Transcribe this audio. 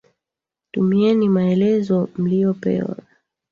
Tumieni maelezo mliyopewa.